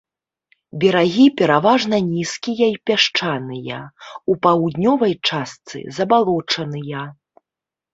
Берагі пераважна нізкія і пясчаныя, у паўднёвай частцы забалочаныя.